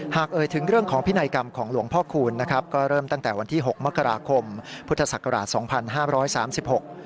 หากเอ่ยถึงเรื่องของพินัยกรรมของหลวงพ่อคูณนะครับก็เริ่มตั้งแต่วันที่๖มกราคมพุทธศักราช๒๕๓๖